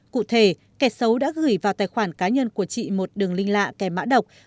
cụ thể kẻ xấu đã gửi vào tài khoản cá nhân của chị một đường lin lạ kèm mã độc